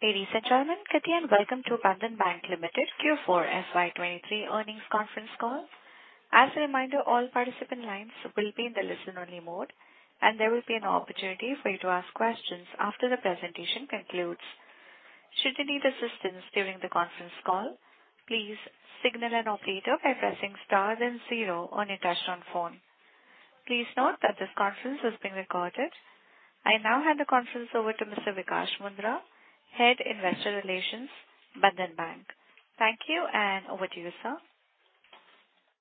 Ladies and gentlemen, good day and welcome to Bandhan Bank Limited Q4 FY 2023 earnings conference call. As a reminder, all participant lines will be in the listen-only mode, and there will be an opportunity for you to ask questions after the presentation concludes. Should you need assistance during the conference call, please signal an operator by pressing star then zero on your touchtone phone. Please note that this conference is being recorded. I now hand the conference over to Mr. Vikash Mundra, Head, Investor Relations, Bandhan Bank. Thank you, and over to you, sir.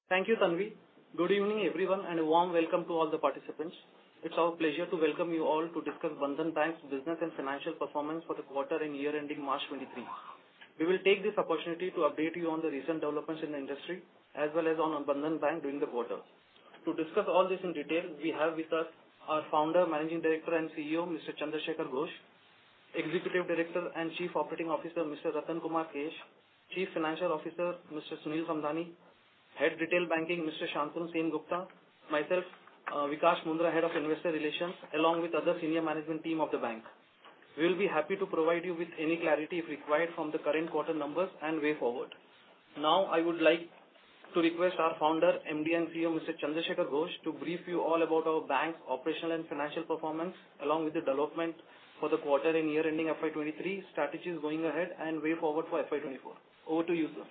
Thank you, Tanvi. Good evening, everyone, and a warm welcome to all the participants. It's our pleasure to welcome you all to discuss Bandhan Bank's business and financial performance for the quarter and year-ending March 23rd. We will take this opportunity to update you on the recent developments in the industry as well as on Bandhan Bank during the quarter. To discuss all this in detail, we have with us our Founder, Managing Director, and CEO, Mr. Chandra Shekhar Ghosh, Executive Director and Chief Operating Officer, Mr. Ratan Kumar Kesh, Chief Financial Officer, Mr. Sunil Samdani, Head, Retail Banking, Mr. Shantanu Sengupta, myself, Vikash Mundra, Head of Investor Relations, along with other senior management team of the bank. We'll be happy to provide you with any clarity if required from the current quarter numbers and way forward. I would like to request our Founder, MD, and CEO, Mr. Chandrasekhar Ghosh, to brief you all about our bank's operational and financial performance, along with the development for the quarter and year-ending FY 2023, strategies going ahead, and way forward for FY 2024. Over to you, sir.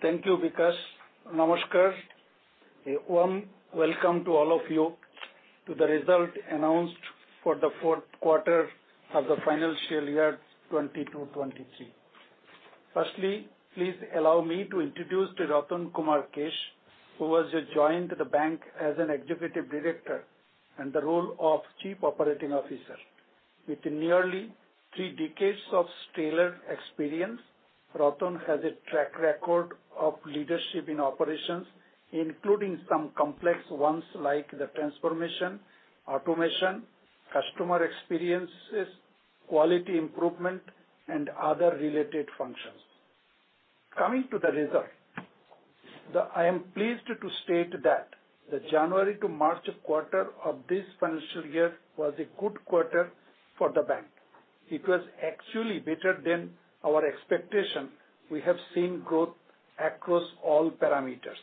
Thank you, Vikas. Namaskar. A warm welcome to all of you to the result announced for the fourth quarter of the financial year 2022, 2023. Firstly, please allow me to introduce to Ratan Kumar Kesh, who has just joined the bank as an Executive Director in the role of Chief Operating Officer. With nearly three decades of stellar experience, Ratan has a track record of leadership in operations, including some complex ones like the transformation, automation, customer experiences, quality improvement, and other related functions. Coming to the result, I am pleased to state that the January to March quarter of this financial year was a good quarter for the bank. It was actually better than our expectation. We have seen growth across all parameters.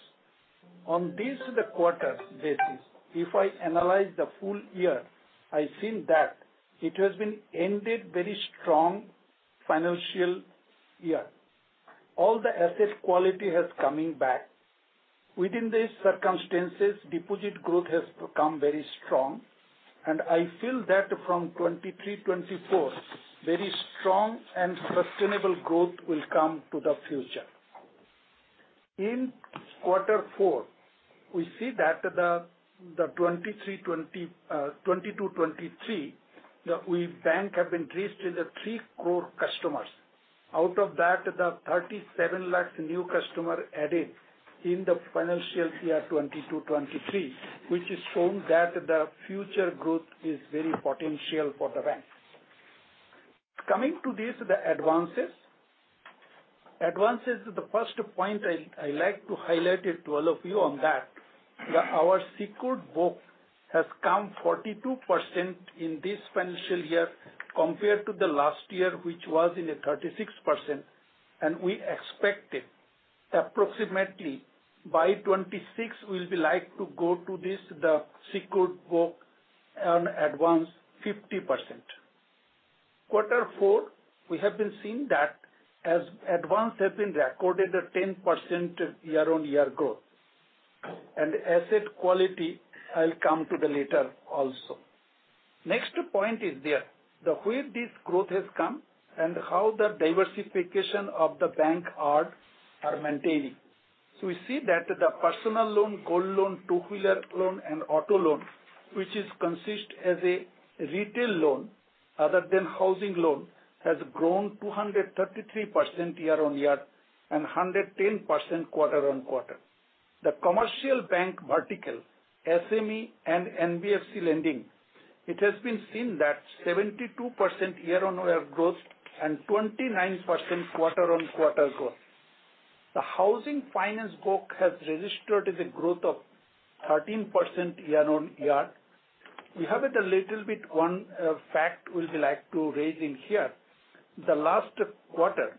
On this, the quarter basis, if I analyze the full year, I think that it has been ended very strong financial year. All the asset quality has coming back. Within these circumstances, deposit growth has become very strong. I feel that from 2023, 2024, very strong and sustainable growth will come to the future. In quarter four, we see that the 2022, 2023 we bank have increased in the three core customers. Out of that, the 37 lakh new customer added in the financial year 2022, 2023, which has shown that the future growth is very potential for the bank. Coming to this, the advances. Advances, the first point I like to highlight it to all of you on that, our secured book has come 42% in this financial year compared to the last year, which was in a 36%. We expected approximately by 2026 we'll be like to go to this, the secured book and advance 50%. Quarter four, we have been seeing that as advance has been recorded at 10% year-on-year growth. Asset quality, I'll come to that later also. Next point is there, the way this growth has come and how the diversification of the bank are maintaining. We see that the personal loan, gold loan, two-wheeler loan, and auto loan, which is consist as a retail loan other than housing loan, has grown 233% year-on-year and 110% quarter-on-quarter. The commercial bank vertical, SME and NBFC lending, it has been seen that 72% year-on-year growth and 29% quarter-on-quarter growth. The housing finance book has registered the growth of 13% year-on-year. We have it a little bit, one fact we'll be like to raise in here. The last quarter,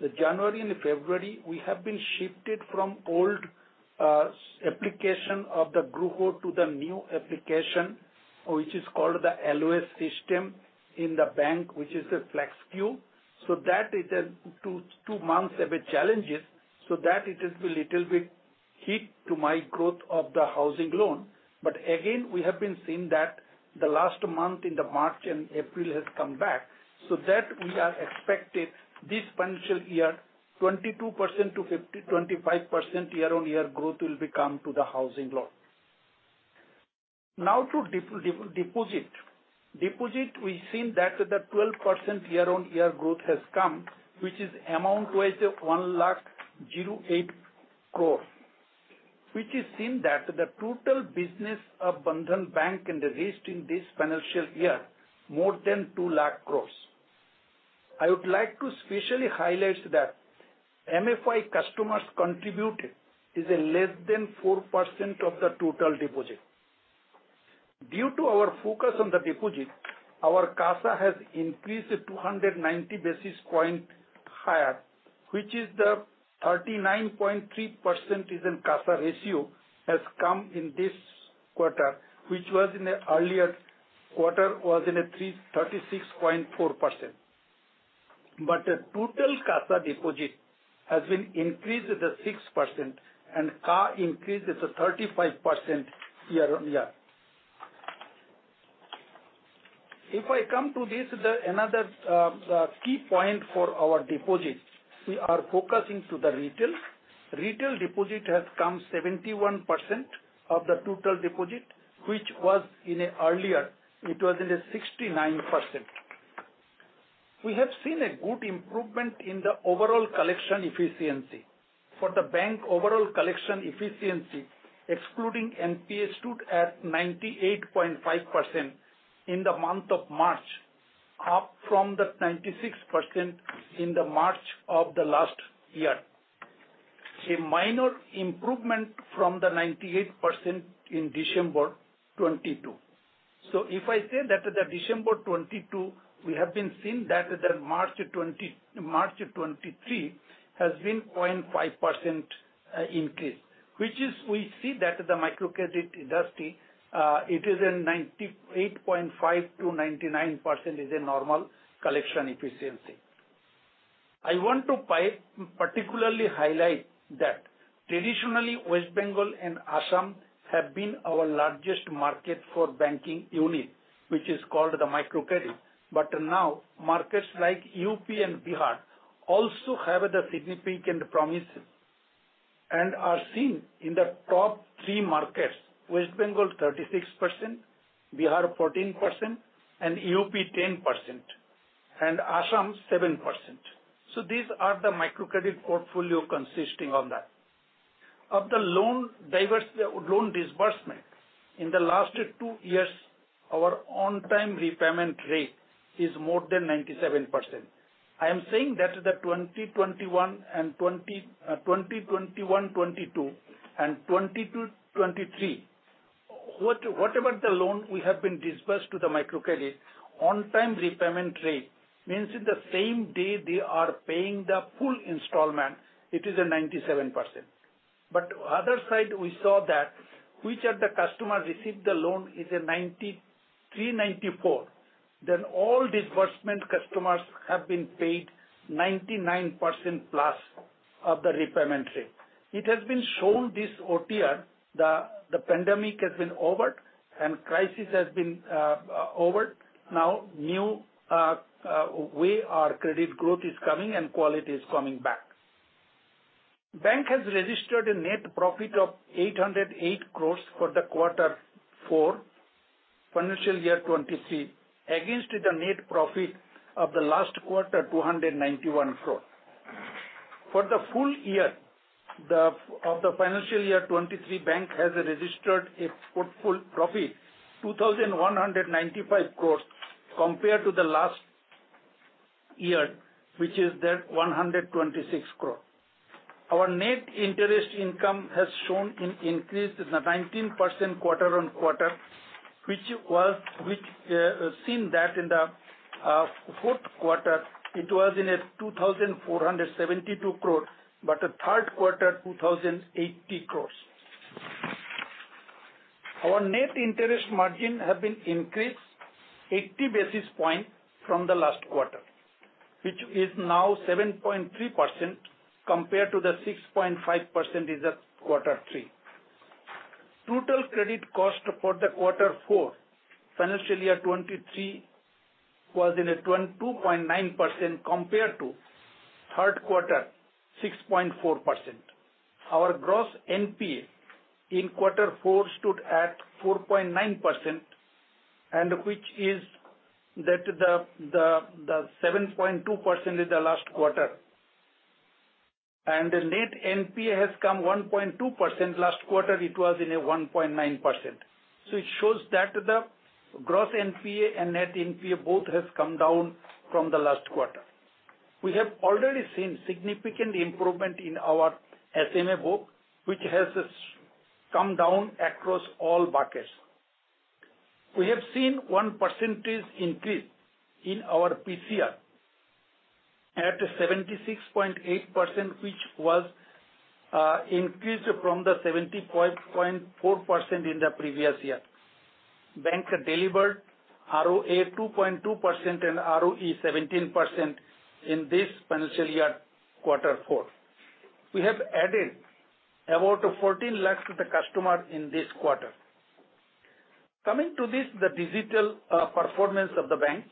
the January and February, we have been shifted from old application of the GRUH to the new application, which is called the LOS system in the bank, which is the FLEXCUBE. It has two months of challenges, it has been little bit hit to my growth of the housing loan. Again, we have been seeing that the last month in the March and April has come back, we are expected this financial year, 22%-25% year-on-year growth will be come to the housing loan. Now to deposit. Deposit, we've seen that the 12% year-on-year growth has come, which is amount-wise 1.08 lakh crore, which is seen that the total business of Bandhan Bank increased in this financial year more than 2 lakh crore. I would like to specially highlight that MFI customers contribute is a less than 4% of the total deposit. Due to our focus on the deposit, our CASA has increased 290 basis points higher, which is the 39.3% is in CASA ratio has come in this quarter, which was in the earlier quarter was in a 36.4%. The total CASA deposit has been increased at the 6% and CAR increased at the 35% year-on-year. If I come to this, the another key point for our deposits, we are focusing to the retail. Retail deposit has come 71% of the total deposit, which was earlier, it was 69%. We have seen a good improvement in the overall collection efficiency. For the bank overall collection efficiency, excluding NPA stood at 98.5% in the month of March, up from the 96% in the March of the last year. A minor improvement from the 98% in December 2022. If I say that the December 2022, we have been seeing that the March 2023 has been 0.5% increase, which is we see that the microcredit industry, it is 98.5%-99% is a normal collection efficiency. I want to particularly highlight that traditionally, West Bengal and Assam have been our largest market for banking unit, which is called the microcredit. Now markets like UP and Bihar also have the significant promise and are seen in the top three markets, West Bengal 36%, Bihar 14%, UP 10%, and Assam 7%. These are the microcredit portfolio consisting of that. Of the loan disbursement in the last two years, our on-time repayment rate is more than 97%. I am saying that the 2021 and 2021, 2022 and 2022, 2023, whatever the loan we have been disbursed to the microcredit on-time repayment rate means in the same day they are paying the full installment, it is a 97%. Other side we saw that which of the customer received the loan is a 394. All disbursement customers have been paid 99%+ of the repayment rate. It has been shown this OTR, the pandemic has been over and crisis has been over. New way our credit growth is coming and quality is coming back. Bank has registered a net profit of 808 crores for the quarter four financial year 2023, against the net profit of the last quarter, 291 crores. For the full year of the financial year 2023, Bank has registered a full profit 2,195 crores compared to the last year, which is 126 crores. Our net interest income has shown in increase in the 19% quarter-on-quarter, which was seen that in the fourth quarter it was in a 2,472 crores, but the third quarter, 2,080 crores. Our net interest margin have been increased 80 basis point from the last quarter, which is now 7.3% compared to the 6.5% is at quarter three. Total credit cost for the quarter four financial year 2023 was in a 2.9% compared to third quarter, 6.4%. Our Gross NPA in quarter four stood at 4.9% and which is that 7.2% in the last quarter. The Net NPA has come 1.2%. Last quarter it was in a 1.9%. It shows that the Gross NPA and Net NPA both has come down from the last quarter. We have already seen significant improvement in our SMA book, which has come down across all buckets. We have seen 1% increase in our PCR at 76.8%, which was increased from the 70.4% in the previous year. Bank delivered ROA 2.2% and ROE 17% in this financial year quarter four. We have added about 14 lakhs to the customer in this quarter. Coming to this, the digital performance of the bank.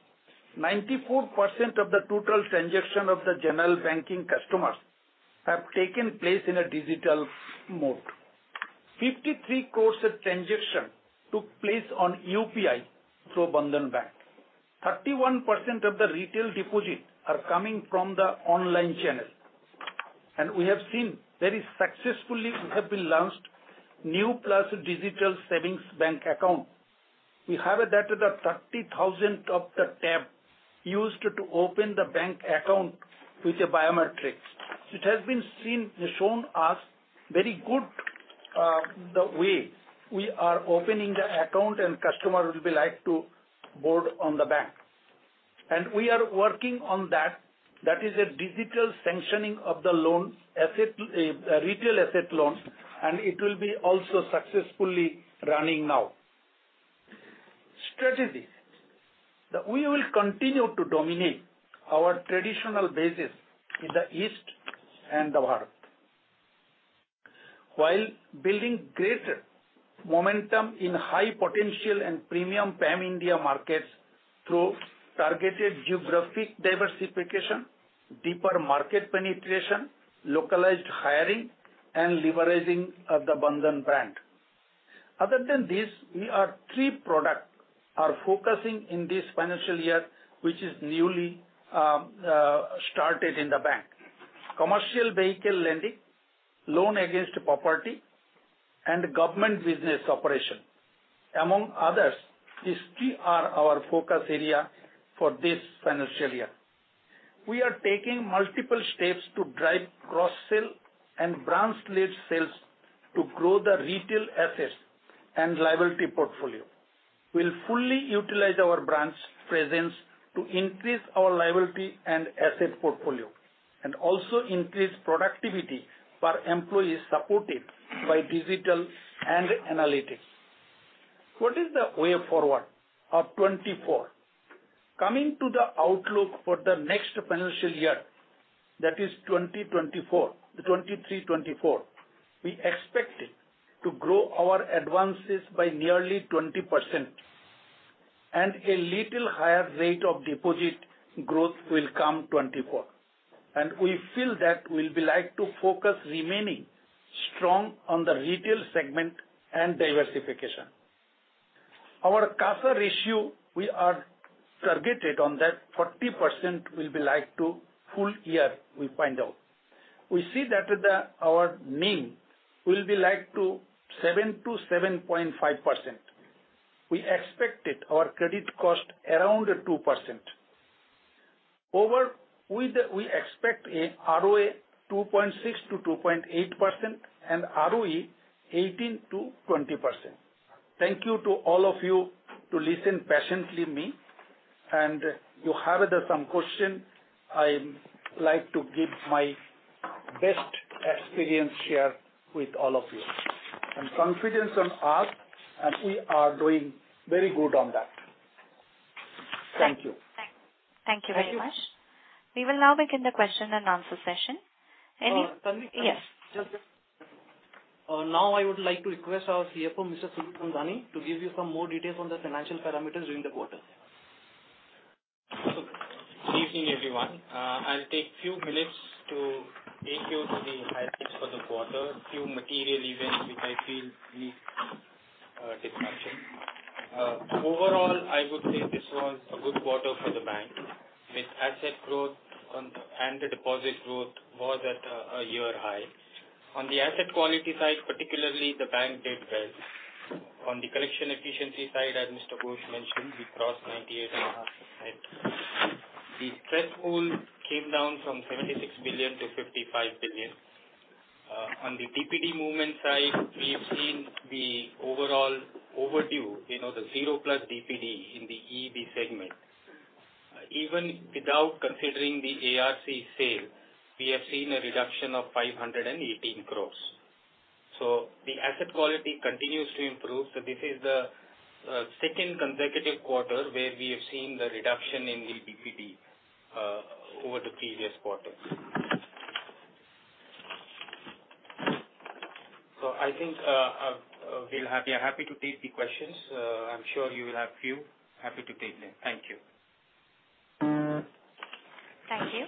94% of the total transaction of the general banking customers have taken place in a digital mode. 53 crores transaction took place on UPI through Bandhan Bank. 31% of the retail deposits are coming from the online channels. We have seen very successfully we have been launched new plus digital Savings Bank account. We have that the 30,000 of the tab used to open the bank account with a biometric. It has been shown us very good, the way we are opening the account and customer will be like to board on the bank. We are working on that. That is a digital sanctioning of the loan asset, retail asset loans, and it will be also successfully running now. Strategy. That we will continue to dominate our traditional basis in the east and the west. While building greater momentum in high potential and premium pan-India markets through targeted geographic diversification, deeper market penetration, localized hiring and leveraging of the Bandhan Bank. Other than this, we are three product are focusing in this financial year, which is newly started in the bank. Commercial vehicle lending, loan against property and government business operation. Among others, these three are our focus area for this financial year. We are taking multiple steps to drive cross-sell and branch lead sales to grow the retail assets and liability portfolio. We'll fully utilize our branch presence to increase our liability and asset portfolio and also increase productivity for employees supported by digital and analytics. What is the way forward of 2024? Coming to the outlook for the next financial year, that is 2024, 2023-2024, we expected to grow our advances by nearly 20% and a little higher rate of deposit growth will come 2024. We feel that we'll be like to focus remaining strong on the retail segment and diversification. Our CASA ratio, we are targeted on that 40% will be like to full year we find out. We see that the our NIM will be like to 7%-7.5%. We expected our credit cost around 2%. Over with, we expect a ROA 2.6%-2.8% and ROE 18%-20%. Thank you to all of you to listen patiently me. You have some question, I like to give my best experience share with all of you. I'm confidence on us, and we are doing very good on that. Thank you. Thank you very much. We will now begin the question and answer session. Tanvi. Yes. Just a second. now I would like to request our CFO, Mr. Sunil Samdani, to give you some more details on the financial parameters during the quarter. Good evening, everyone. I'll take few minutes to take you to the highlights for the quarter. Few material events which I feel need discussion. Overall, I would say this was a good quarter for the bank, with asset growth and the deposit growth was at a year high. On the asset quality side, particularly the bank did well. On the collection efficiency side, as Mr. Ghosh mentioned, we crossed 98.5%. The Stress Loan Pool came down from 56 billion to 55 billion. On the DPD movement side, we have seen the overall overdue, you know, the zero plus DPD in the EEB segment. Even without considering the ARC sale, we have seen a reduction of 518 crores. The asset quality continues to improve. This is the second consecutive quarter where we have seen the reduction in the DPD over the previous quarter. I think we'll happy to take the questions. I'm sure you will have few. Happy to take them. Thank you. Thank you.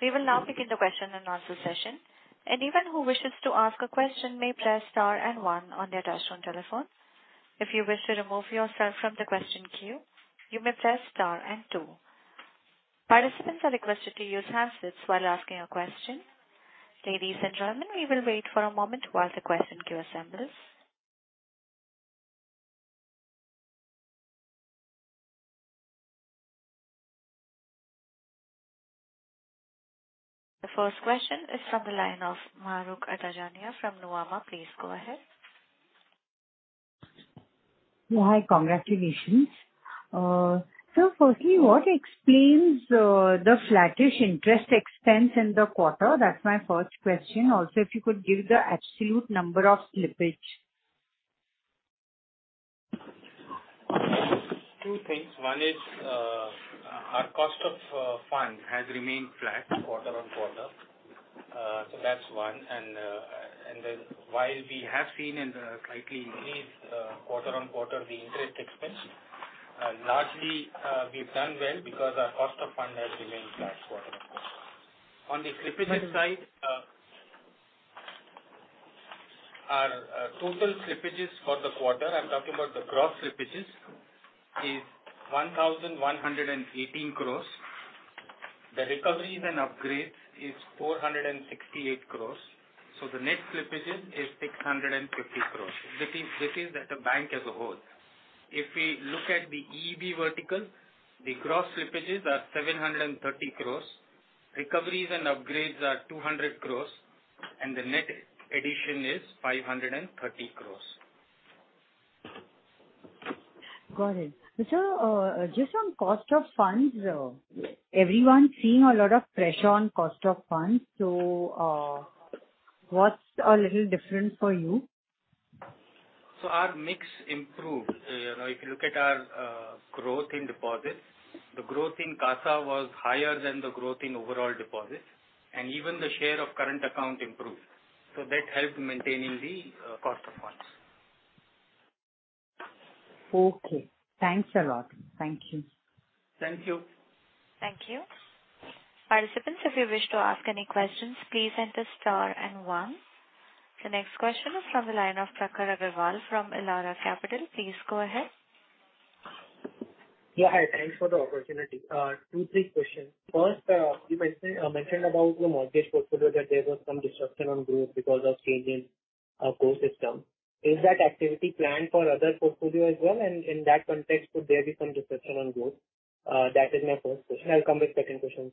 We will now begin the question and answer session. Anyone who wishes to ask a question may press star and one on their touchtone telephone. If you wish to remove yourself from the question queue, you may press star and two. Participants are requested to use headsets while asking a question. Ladies and gentlemen, we will wait for a moment while the question queue assembles. The first question is from the line of Mahrukh Adajania from Nomura. Please go ahead. Hi. Congratulations. Firstly, what explains the flattish interest expense in the quarter? That's my first question. Also, if you could give the absolute number of slippage. Two things. One is, our cost of fund has remained flat quarter-on-quarter. That's one. While we have seen in the slightly increased quarter-on-quarter the interest expense, largely, we've done well because our cost of fund has remained flat quarter-on-quarter. On the slippage side, our total slippages for the quarter, I'm talking about the gross slippages, is 1,118 crores. The recoveries and upgrades is 468 crores, the net slippage is 650 crores. This is at the bank as a whole. If we look at the EEB vertical, the gross slippages are 730 crores, recoveries and upgrades are 200 crores, the net addition is 530 crores. Got it. Just on cost of funds, everyone's seeing a lot of pressure on cost of funds. What's a little different for you? Our mix improved. you know, if you look at our growth in deposits, the growth in CASA was higher than the growth in overall deposits, and even the share of current account improved. That helped maintaining the cost of funds. Okay. Thanks a lot. Thank you. Thank you. Thank you. Participants, if you wish to ask any questions, please enter star and one. The next question is from the line of Prakhar Agrawal from Elara Capital. Please go ahead. Yeah, hi. Thanks for the opportunity. Two, three questions. First, you mentioned about the mortgage portfolio that there was some disruption on growth because of changing core system. Is that activity planned for other portfolio as well? In that context, could there be some disruption on growth? That is my first question. I'll come with second question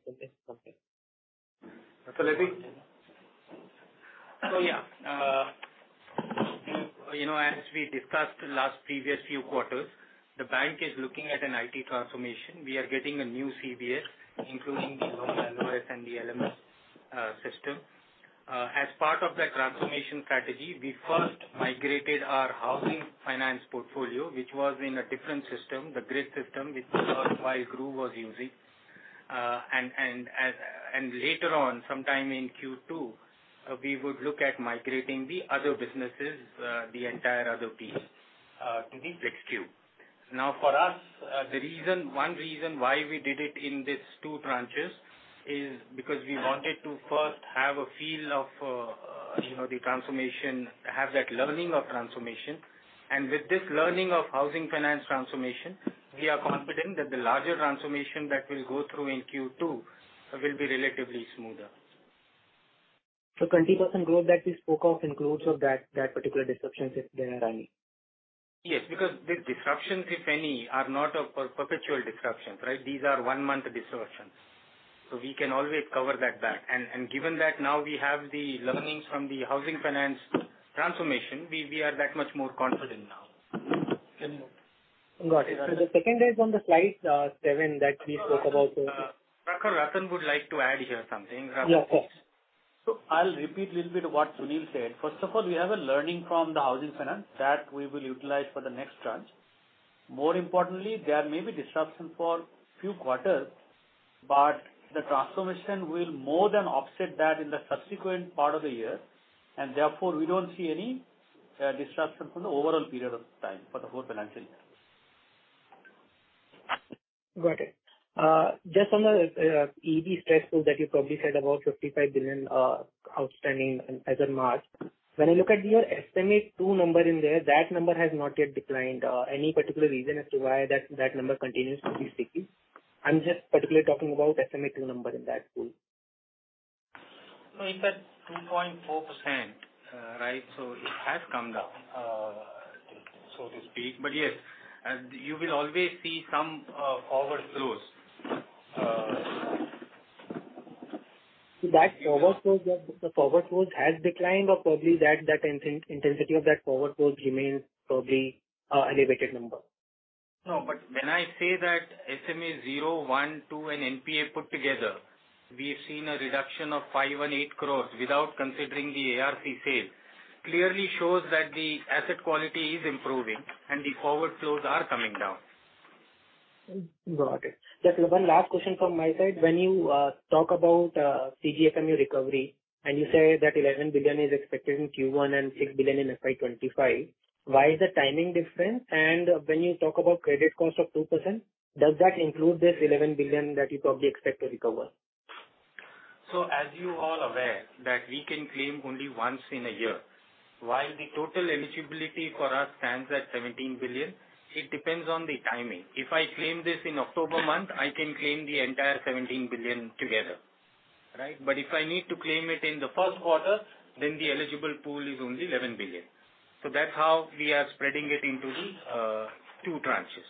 sometime after. You know, as we discussed last previous few quarters, the bank is looking at an IT transformation. We are getting a new CBS, including the loan LOS and the LMS system. As part of that transformation strategy, we first migrated our housing finance portfolio, which was in a different system, the Grid System, which our whole group was using. And later on, sometime in Q2, we would look at migrating the other businesses, the entire other piece, to the FLEXCUBE. For us, the reason, one reason why we did it in these two tranches is because we wanted to first have a feel of, you know, the transformation, have that learning of transformation. With this learning of housing finance transformation, we are confident that the larger transformation that we'll go through in Q2 will be relatively smoother. 20% growth that we spoke of includes of that particular disruptions, if there are any. Yes, because the disruptions, if any, are not a perpetual disruptions, right? These are one-month distortions. We can always cover that back. Given that now we have the learnings from the housing finance transformation, we are that much more confident now. Got it. The second is on the slide, seven that we spoke about. Prakhar, Ratan would like to add here something. Yeah, sure. I'll repeat little bit what Sunil said. First of all, we have a learning from the housing finance that we will utilize for the next tranche. More importantly, there may be disruption for few quarters, but the transformation will more than offset that in the subsequent part of the year and therefore we don't see any disruption from the overall period of time for the whole financial year. Got it. just on the EEB stress that you probably said about 55 billion outstanding as of March. When I look at your SMA two number in there, that number has not yet declined. any particular reason as to why that number continues to be sticky? I'm just particularly talking about SMA two number in that pool. It's at 2.4%, right? It has come down, so to speak. Yes, you will always see some, forward flows. That forward flows, the forward flows has declined or probably that intensity of that forward flow remains probably an elevated number? When I say that SMA zero, one, two, and NPA put together, we have seen a reduction of 5 and 8 crores without considering the ARC sales, clearly shows that the asset quality is improving and the forward flows are coming down. Got it. Just one last question from my side. When you talk about CGFMU recovery and you say that 11 billion is expected in Q1 and 6 billion in FY2025, why is the timing different? When you talk about credit cost of 2%, does that include this 11 billion that you probably expect to recover? As you all aware that we can claim only once in a year. While the total eligibility for us stands at 17 billion, it depends on the timing. If I claim this in October month, I can claim the entire 17 billion together, right? If I need to claim it in the first quarter, then the eligible pool is only 11 billion. That's how we are spreading it into the two tranches.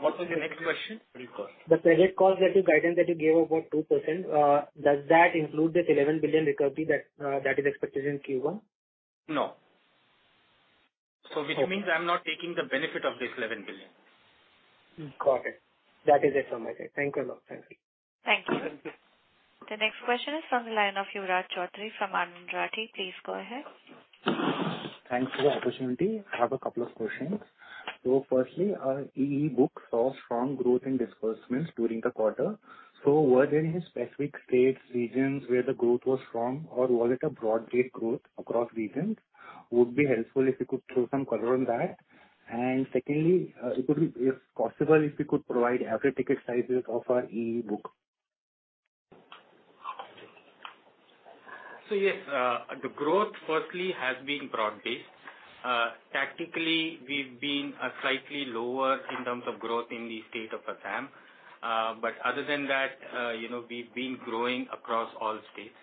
What was your next question? Repeat. The credit cost that you guided, that you gave about 2%, does that include this 11 billion recovery that is expected in Q1? No. Okay. Which means I'm not taking the benefit of this 11 billion. Got it. That is it from my side. Thank you a lot. Thank you. Thank you. The next question is from the line of Yuvraj Choudhary from Anand Rathi. Please go ahead. Thanks for the opportunity. I have a couple of questions. Firstly, EEB saw strong growth in disbursements during the quarter. Were there any specific states, regions where the growth was strong, or was it a broad-based growth across regions? Would be helpful if you could throw some color on that. Secondly, if possible, if you could provide average ticket sizes of our EEB book. Yes, the growth firstly has been broad-based. Tactically, we've been slightly lower in terms of growth in the state of Assam. Other than that, you know, we've been growing across all states.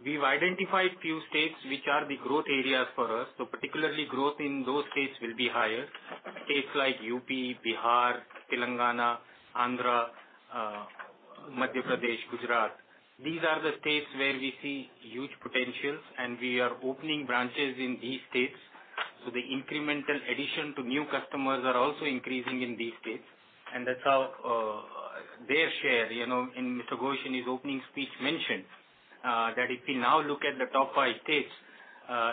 We've identified few states which are the growth areas for us. Particularly growth in those states will be higher. States like UP, Bihar, Telangana, Andhra, Madhya Pradesh, Gujarat. These are the states where we see huge potentials, and we are opening branches in these states. The incremental addition to new customers are also increasing in these states. That's how their share, you know, Mr. Ghosh in his opening speech mentioned that if you now look at the top five states,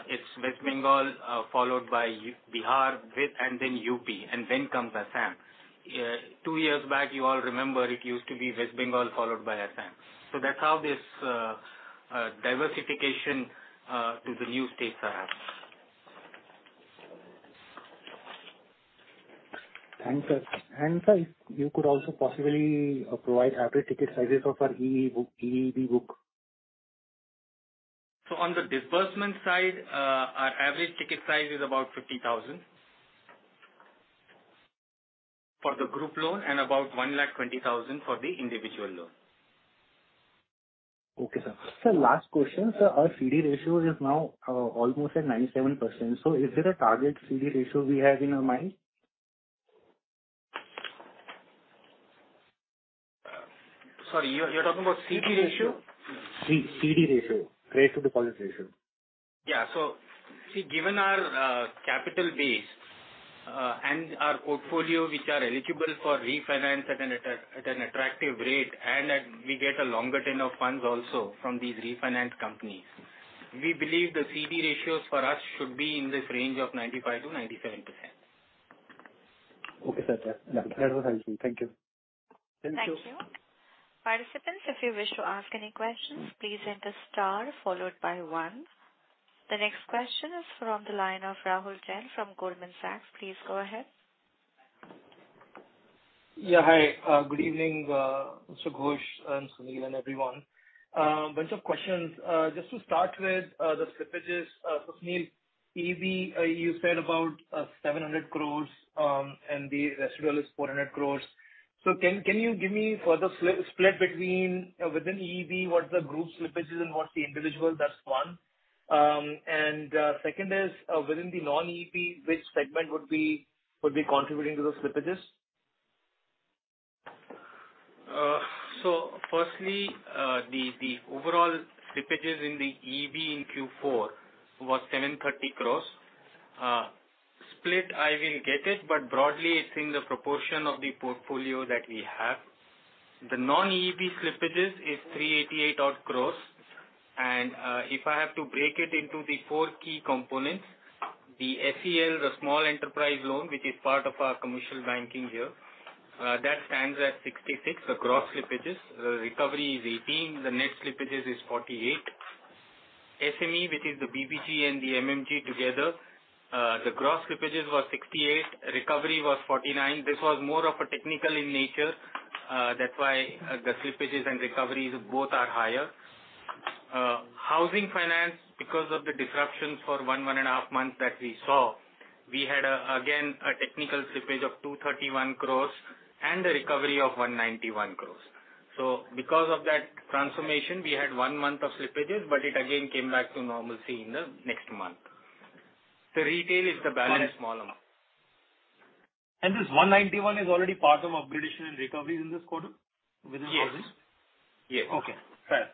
it's West Bengal, followed by Bihar, with and then UP, and then comes Assam. 2 years back you all remember it used to be West Bengal, followed by Assam. That's how this diversification to the new states have happened. Thanks, sir. Sir, if you could also possibly provide average ticket sizes of our EEB book. On the disbursement side, our average ticket size is about 50,000, for the group loan, and about 120,000 for the individual loan. Okay, sir. Sir, last question. Our CD ratio is now almost at 97%. Is there a target CD ratio we have in our mind? Sorry, you're talking about CD ratio? CD ratio. Credit-to-Deposit ratio. See, given our capital base and our portfolio which are eligible for refinance at an attractive rate and at we get a longer tenure of funds also from these refinance companies, we believe the CD ratios for us should be in this range of 95%-97%. Okay, sir. Yeah. That was helpful. Thank you. Thank you. Thank you. Participants, if you wish to ask any questions, please enter star followed by one. The next question is from the line of Rahul Jain from Goldman Sachs. Please go ahead. Hi. Good evening, Mr. Ghosh and Sunil and everyone. Bunch of questions. Just to start with, the slippages, Sunil, EEB, you said about 700 crores, and the residual is 400 crores. Can you give me further split between, within EEB, what's the group slippages and what's the individual? That's one. Second is, within the non-EEB, which segment would be contributing to those slippages? firstly, the overall slippages in the EEB in Q4 was 730 crores. split, I will get it, but broadly it's in the proportion of the portfolio that we have. The non-EEB slippages is 388 odd crores. If I have to break it into the four key components, the SEL, the small enterprise loan, which is part of our commercial banking here, that stands at 66, the gross slippages. recovery is 18, the net slippages is 48. SME, which is the BBG and the MMG together, the gross slippages was 68, recovery was 49. This was more of a technical in nature, that's why, the slippages and recoveries both are higher. housing finance, because of the disruptions for 1 and a half months that we saw, we had again, a technical slippage of 231 crores and a recovery of 191 crores. Because of that transformation, we had 1 month of slippages, but it again came back to normalcy in the next month. The retail is the balance small amount. This 191 is already part of upgradation and recoveries in this quarter? Within the quarter? Yes. Yes. Okay. Fair.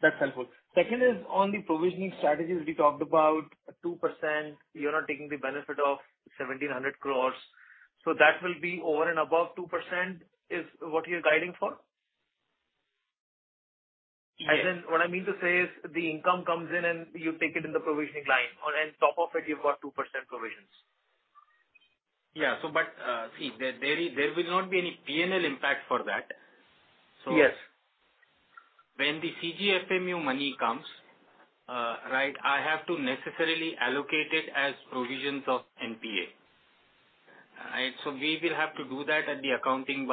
That's helpful. Second is on the provisioning strategies. We talked about a 2%. You're not taking the benefit of 1,700 crore. That will be over and above 2%, is what you're guiding for? Yes. What I mean to say is the income comes in and you take it in the provisioning line or, and top of it you've got 2% provisions. Yeah. But, see, there will not be any P&L impact for that. Yes. When the CGFMU money comes, right, I have to necessarily allocate it as provisions of NPA. Right, we will have to do that at the accounting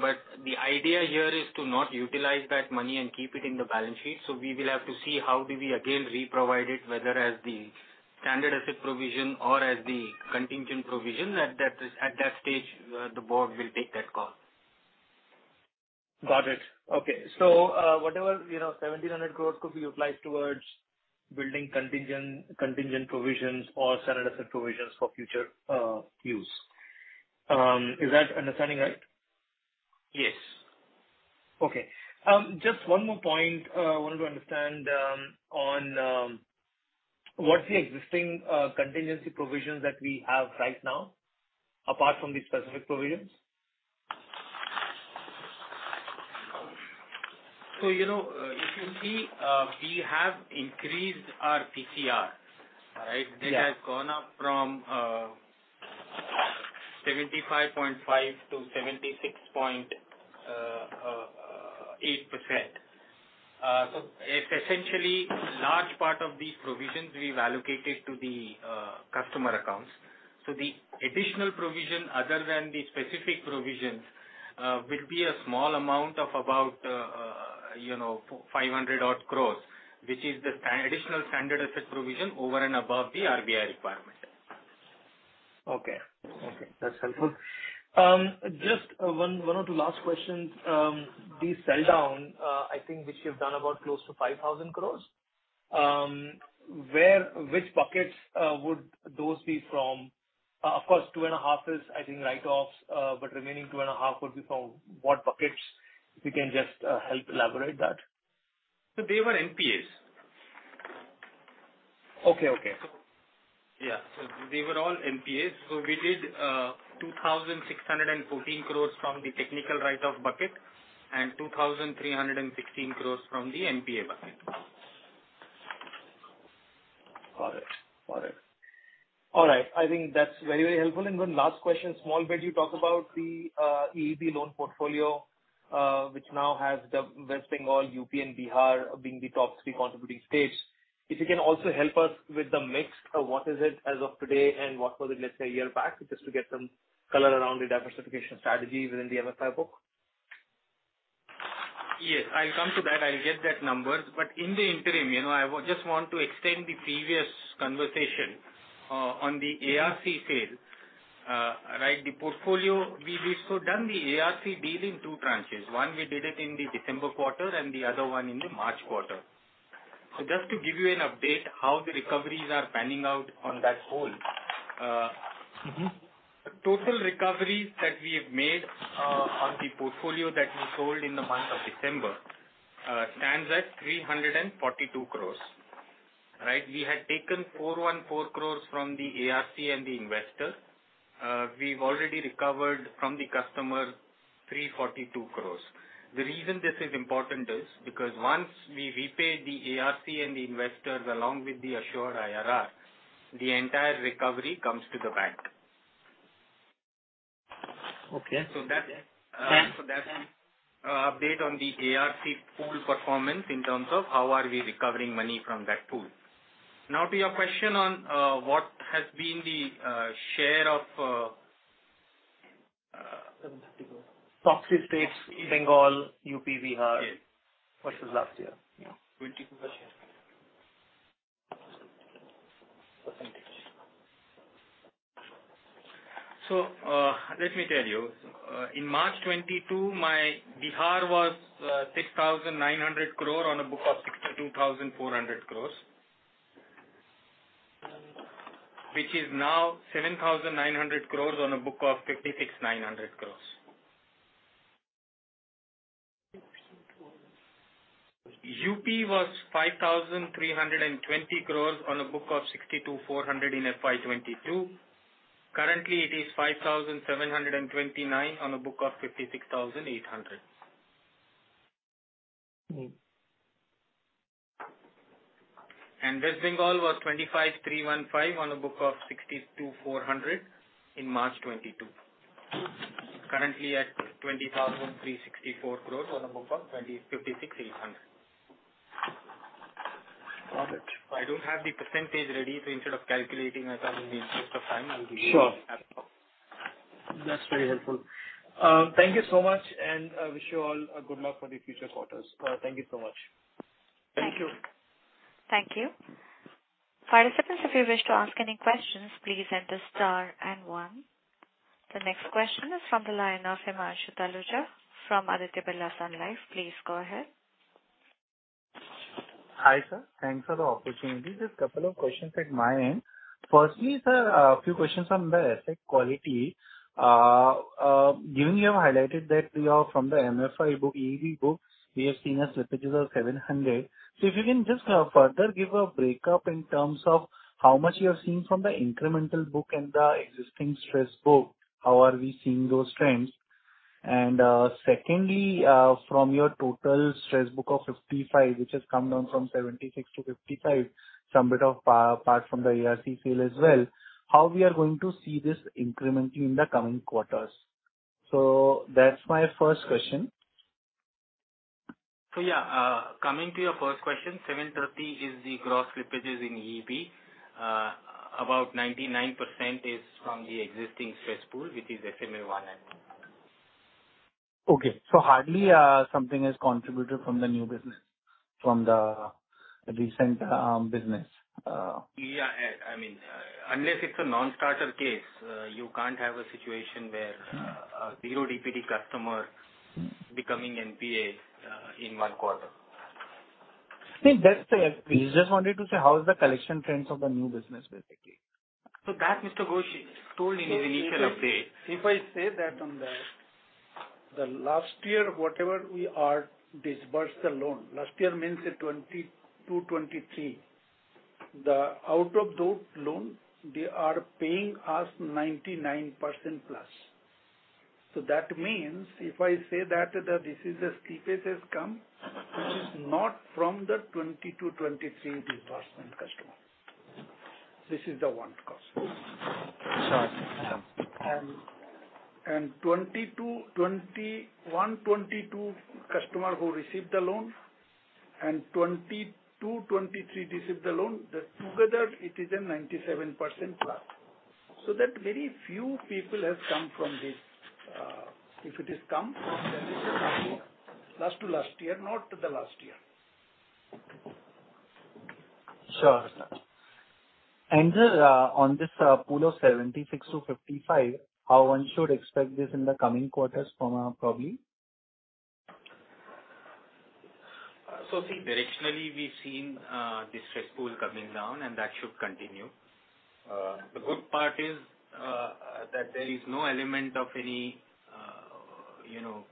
wise. The idea here is to not utilize that money and keep it in the balance sheet. We will have to see how do we again re-provide it, whether as the standard asset provision or as the contingent provision. At that stage, the board will take that call. Got it. Okay. Whatever, you know, 1,700 crores could be applied towards building contingent provisions or standard asset provisions for future use. Is that understanding right? Yes. Just one more point, wanted to understand on what's the existing contingency provisions that we have right now, apart from the specific provisions? You know, if you see, we have increased our PCR. Right? Yeah. It has gone up from 75.5%-76.8%. Essentially large part of these provisions we've allocated to the customer accounts. The additional provision other than the specific provisions will be a small amount of about, you know, 500 odd crores, which is the additional standard asset provision over and above the RBI requirement. Okay. Okay, that's helpful. Just one or two last questions. The sell-down, I think which you've done about close to 5,000 crore, which buckets would those be from? Of course, two and a half is I think write-offs, but remaining two and a half would be from what buckets? If you can just help elaborate that. They were NPAs. Okay. Okay. Yeah. They were all NPAs. We did 2,614 crores from the technical write-off bucket and 2,316 crores from the NPA bucket. Got it. Got it. All right. I think that's very, very helpful. One last question, small bit you talk about the EEB loan portfolio, which now has West Bengal, UP and Bihar being the top three contributing states. If you can also help us with the mix of what is it as of today and what was it, let's say, a year back, just to get some color around the diversification strategy within the MFI book? Yes, I'll come to that. I'll get that number. In the interim, you know, I just want to extend the previous conversation on the ARC sale. Right, the portfolio we've so done the ARC deal in two tranches. One, we did it in the December quarter and the other one in the March quarter. Just to give you an update how the recoveries are panning out on that whole. Mm-hmm. Total recoveries that we have made on the portfolio that we sold in the month of December stands at 342 crores. Right? We had taken 414 crores from the ARC and the investor. We've already recovered from the customer 342 crores. The reason this is important is because once we repay the ARC and the investors along with the assured IRR, the entire recovery comes to the bank. Okay. So that's, uh- Yeah. That's, update on the ARC pool performance in terms of how are we recovering money from that pool. To your question on, what has been the, share of... Top three states, Bengal, UP, Bihar. Yes. versus last year. Yeah. Let me tell you. In March 2022, my Bihar was 6,900 crore on a book of 62,400 crores, which is now 7,900 crores on a book of 56,900 crores. UP was INR 5,320 crores on a book of 62,400 crores in FY 2022. Currently, it is 5,729 crores on a book of 56,800 crores. Mm-hmm. West Bengal was 25,315 crores on a book of 62,400 crores in March 2022. Currently at 20,364 crores on a book of 56,800 crores. Got it. I don't have the percentage ready. Instead of calculating, I thought in the interest of time, I'll be able to. Sure. have it. That's very helpful. Thank you so much, and I wish you all good luck for the future quarters. Thank you so much. Thank you. Thank you. Participants, if you wish to ask any questions, please enter star and one. The next question is from the line of Himanshu Taluja from Aditya Birla Sun Life. Please go ahead. Hi, sir. Thanks for the opportunity. Just couple of questions at my end. Firstly, sir, a few questions on the asset quality. Given you have highlighted that we are from the MFI book, EEB book, we have seen a slippages of 700. If you can just further give a breakup in terms of how much you are seeing from the incremental book and the existing stress book, how are we seeing those trends? Secondly, from your total stress book of 55, which has come down from 76-55, some bit of apart from the ARC sale as well, how we are going to see this increment in the coming quarters? That's my first question. Yeah. Coming to your first question, 730 is the gross slippages in EEB. About 99% is from the existing stress pool, which is EEB 1 and. Okay. Hardly something has contributed from the new business, from the recent business. Yeah. I mean, unless it's a non-starter case, you can't have a situation where a zero DPD customer becoming NPA in one quarter. We just wanted to say how is the collection trends of the new business, basically. That Mr. Ghosh told in his initial update. If I say that on the last year, whatever we are disbursed the loan, last year means 2022-2023. The out of those loan, they are paying us 99% plus. That means if I say that this is the slippage has come, this is not from the 2022-2023 disbursement customer. This is the one cost. Sure. 2022, 2021, 2022 customer who received the loan and 2022,2023 received the loan, that together it is a 97%+. That very few people have come from this. If it has come from, then it is coming last to last year, not to the last year. Sure. On this pool of 76%-55%, how one should expect this in the coming quarters from now probably? See directionally we've seen this risk pool coming down, and that should continue. The good part is that there is no element of any, you know,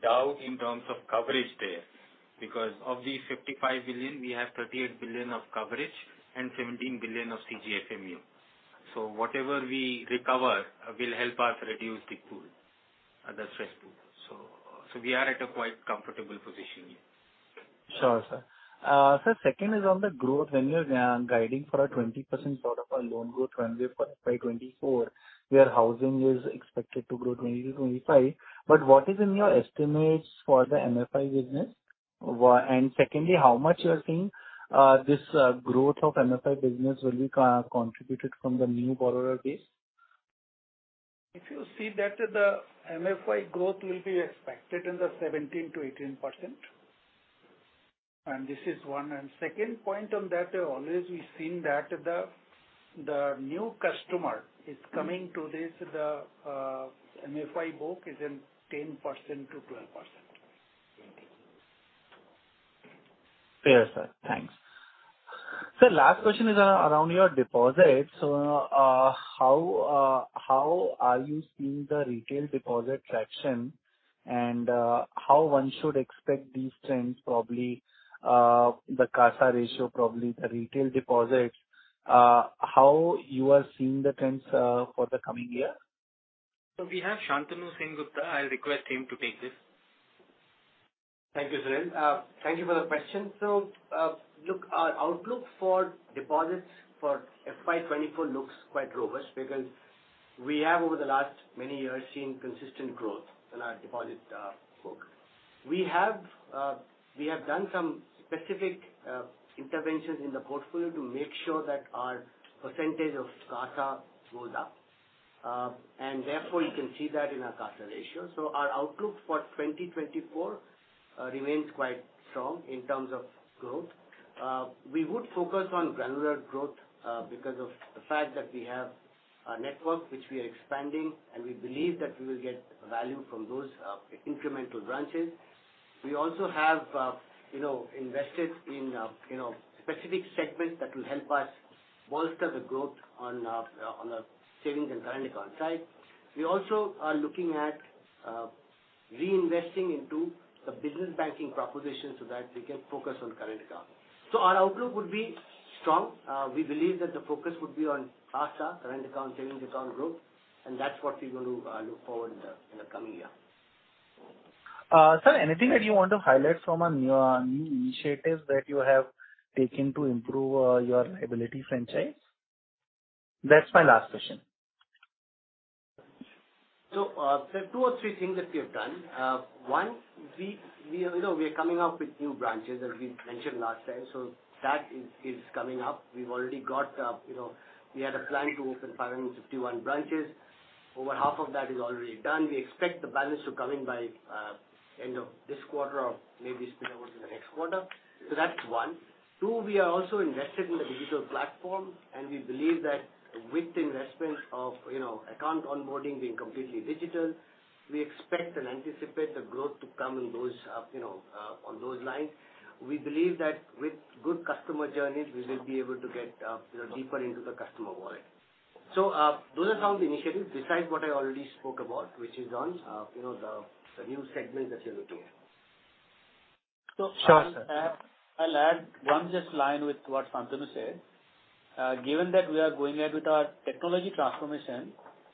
doubt in terms of coverage there. Because of the 55 billion, we have 38 billion of coverage and 17 billion of CGFMU. Whatever we recover will help us reduce the pool, the stress pool. We are at a quite comfortable position here. Sure, sir. second is on the growth when you're guiding for a 20% sort of a loan growth for FY24, where housing is expected to grow 20%-25%. What is in your estimates for the MFI business? secondly, how much you are seeing this growth of MFI business will be contributed from the new borrower base? If you see that the MFI growth will be expected in the 17%-18%, and this is one. Second point on that, always we've seen that the new customer is coming to this MFI book is in 10%-12%. Clear, sir. Thanks. Sir, last question is around your deposits. how are you seeing the retail deposit traction, and how one should expect these trends, probably the CASA ratio, probably the retail deposits, how you are seeing the trends for the coming year? We have Shantanu Sengupta. I'll request him to take this. Thank you, Sunil. Thank you for the question. Look, our outlook for deposits for FY 2024 looks quite robust because we have over the last many years seen consistent growth in our deposit book. We have, we have done some specific interventions in the portfolio to make sure that our percentage of CASA goes up. Therefore you can see that in our CASA ratio. Our outlook for 2024 remains quite strong in terms of growth. We would focus on granular growth because of the fact that we have a network which we are expanding, and we believe that we will get value from those incremental branches. We also have, you know, invested in, you know, specific segments that will help us bolster the growth on the savings and current account side. We also are looking at reinvesting into the business banking proposition so that we can focus on current account. Our outlook would be strong. We believe that the focus would be on CASA, current account, savings account growth, and that's what we're going to look forward in the coming year. Sir, anything that you want to highlight from a new initiatives that you have taken to improve your liability franchise? That's my last question. There are two or three things that we have done. One, we, you know, we are coming up with new branches as we mentioned last time. That is coming up. We've already got, you know, we had a plan to open 561 branches. Over half of that is already done. We expect the balance to come in by end of this quarter or maybe spill over to the next quarter. That's one. Two, we are also invested in the digital platform, and we believe that with the investment of, you know, account onboarding being completely digital, we expect and anticipate the growth to come in those, you know, on those lines. We believe that with good customer journeys, we will be able to get, you know, deeper into the customer wallet. Those are some of the initiatives besides what I already spoke about, which is on, you know, the new segment that you're looking at. Sure, sir. I'll add one just line with what Shantanu said. Given that we are going ahead with our technology transformation,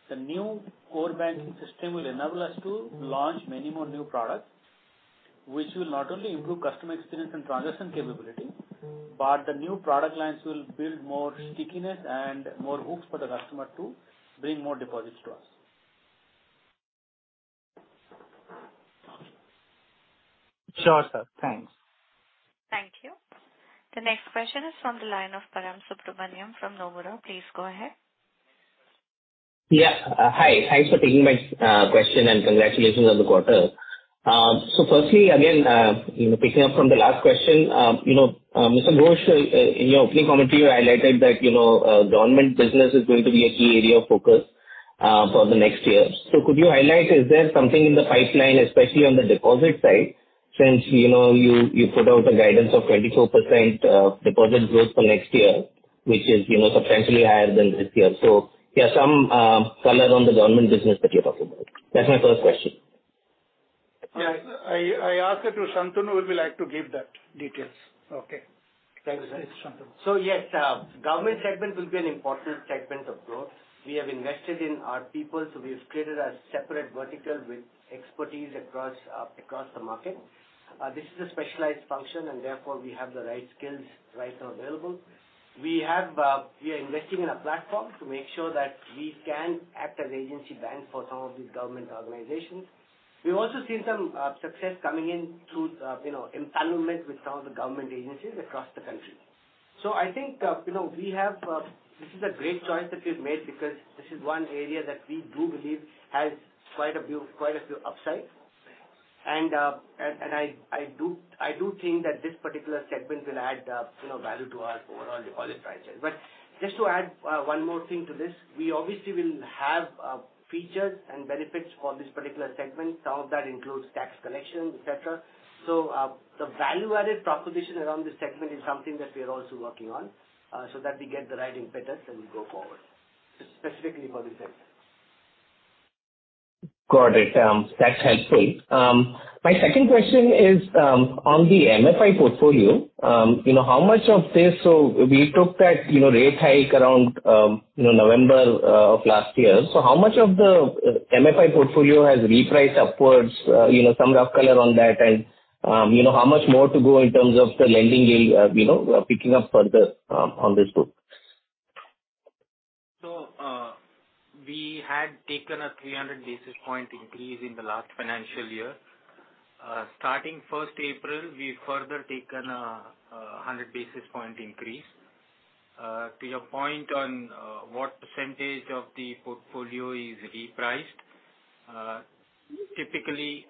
the new core banking system will enable us to launch many more new products, which will not only improve customer experience and transaction capability, but the new product lines will build more stickiness and more hooks for the customer to bring more deposits to us. Sure, sir. Thanks. Thank you. The next question is from the line of Param Subramanian from Nomura. Please go ahead. Hi. Thanks for taking my question and congratulations on the quarter. Firstly, again, you know, picking up from the last question, you know, Mr. Ghosh, in your opening comment you highlighted that, you know, government business is going to be a key area of focus for the next year. Could you highlight, is there something in the pipeline, especially on the deposit side, since, you know, you put out a guidance of 24% deposit growth for next year, which is, you know, substantially higher than this year. Some color on the government business that you're talking about. That's my first question. Yes. I ask it to Shantanu, will be like to give that details. Okay. Thanks. It's Shantanu. Yes, government segment will be an important segment of growth. We have invested in our people, so we've created a separate vertical with expertise across across the market. This is a specialized function and therefore we have the right skills right now available. We have, we are investing in a platform to make sure that we can act as agency bank for some of these government organizations. We've also seen some success coming in through, you know, empowerment with some of the government agencies across the country. I think, you know, we have, this is a great choice that we've made because this is one area that we do believe has quite a few upsides. I do think that this particular segment will add, you know, value to our overall deposit sizes. Just to add one more thing to this, we obviously will have features and benefits for this particular segment. Some of that includes tax collection, et cetera. The value-added proposition around this segment is something that we are also working on, so that we get the right impetus and we go forward, specifically for this segment. Got it. That's helpful. My second question is on the MFI portfolio, you know, how much of this... We took that, you know, rate hike around, you know, November of last year. How much of the MFI portfolio has repriced upwards? You know, some rough color on that and, you know, how much more to go in terms of the lending yield, you know, picking up further on this book? We had taken a 300 basis point increase in the last financial year. Starting 1st April, we've further taken a 100 basis point increase. To your point on what percentage of the portfolio is repriced, typically,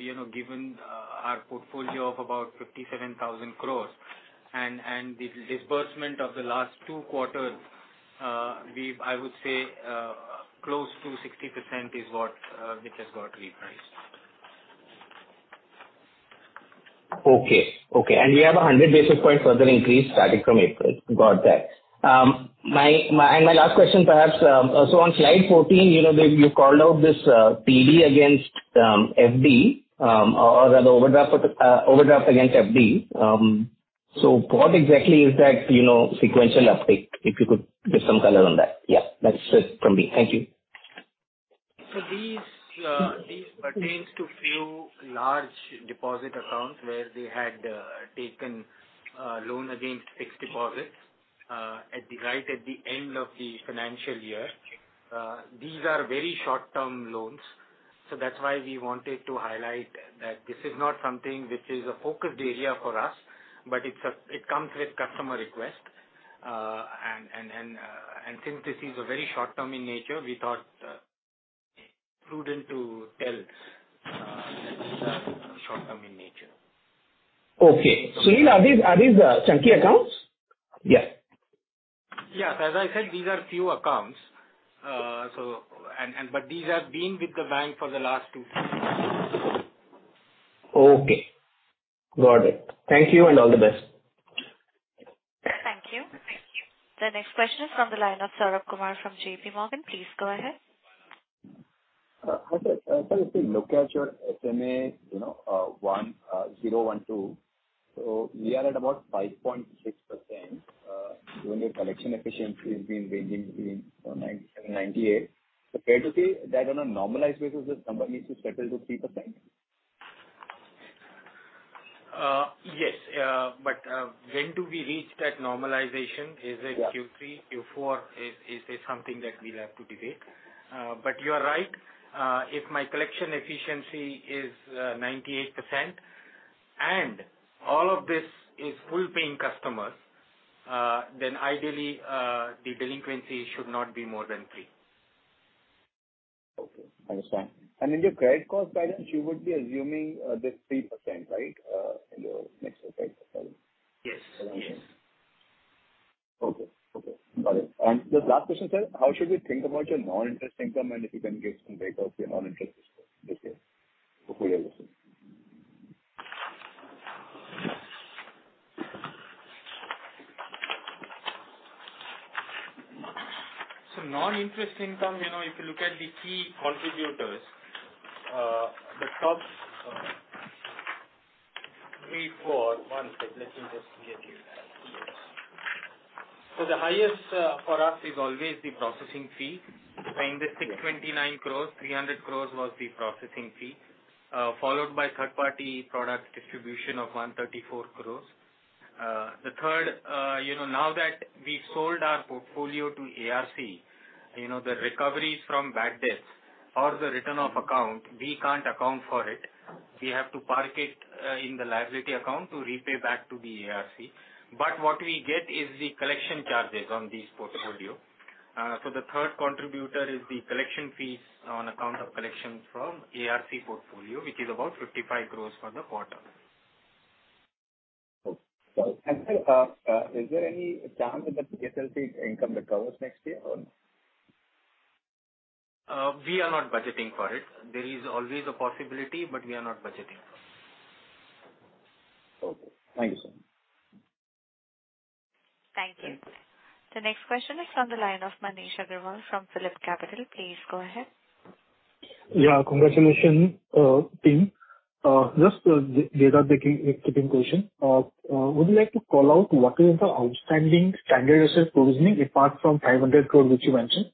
you know, given our portfolio of about 57,000 crores and the disbursement of the last two quarters, we've I would say close to 60% is what which has got repriced. Okay. Okay. You have 100 basis points further increase starting from April. Got that. My last question perhaps, on slide 14, you know, you called out this OD against FD, or the overdraft against FD. What exactly is that, you know, sequential uptake? If you could give some color on that. Yeah. That's it from me. Thank you. These pertains to few large deposit accounts where they had taken loan against fixed deposits at the end of the financial year. These are very short-term loans. That's why we wanted to highlight that this is not something which is a focused area for us, but it comes with customer request. Since this is a very short-term in nature, we thought prudent to tell that these are short-term in nature. Okay. Sunil, are these chunky accounts? Yes. Yes. As I said, these are few accounts. These have been with the bank for the last two years. Okay. Got it. Thank you, and all the best. Thank you. The next question is from the line of Saurabh Kumar from JP Morgan. Please go ahead. Hi, sir. Sir, if we look at your SMA, you know, one, zero, one, two, so we are at about 5.6%, when your collection efficiency has been ranging between 90%, 70%, 98%. Fair to say that on a normalized basis, this number needs to settle to 3%? Yes. When do we reach that normalization? Yeah. Is it Q3, Q4? Is it something that we'll have to debate? You are right. If my collection efficiency is 98% and all of this is full-paying customers, then ideally, the delinquency should not be more than 3%. Okay. Understand. In your credit cost guidance, you would be assuming this 3%, right, in your next credit cost guidance? Yes. Yes. Okay. Okay. Got it. The last question, sir: How should we think about your non-interest income? If you can give some breakout of your non-interest this year, hopefully I listen. Non-interest income, you know, if you look at the key contributors, the top three, four. One second. Let me just get you that. Yes. The highest for us is always the processing fee. In this 629 crores, 300 crores was the processing fee, followed by third-party product distribution of 134 crores. The third, you know, now that we sold our portfolio to ARC, you know, the recoveries from bad debts or the return of account, we can't account for it. We have to park it in the liability account to repay back to the ARC. What we get is the collection charges on this portfolio. The third contributor is the collection fees on account of collection from ARC portfolio, which is about 55 crores for the quarter. Okay. Is there any chance that the SLP income recovers next year or? We are not budgeting for it. There is always a possibility, but we are not budgeting for it. Okay. Thank you, sir. Thank you. The next question is on the line of Manish Agarwal from PhillipCapital. Please go ahead. Yeah. Congratulations, team. Just data digging, a quick question. Would you like to call out what is the outstanding standardized provisioning apart from 500 crores which you mentioned?